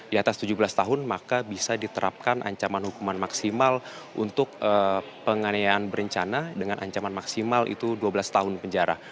di atas tujuh belas tahun maka bisa diterapkan ancaman hukuman maksimal untuk penganiayaan berencana dengan ancaman maksimal itu dua belas tahun penjara